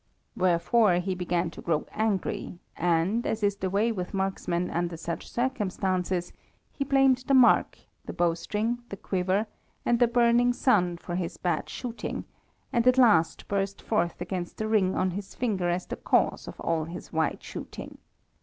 Wherefore he began to grow angry, and, as is the way with marksmen under such circumstances, he blamed the mark, the bowstring, the quiver, and the burning sun for his bad shooting, and at last burst forth against the ring on his finger as the cause of all his wide shooting.